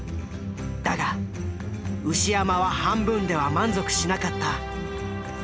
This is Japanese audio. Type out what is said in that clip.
だが牛山は半分では満足しなかった。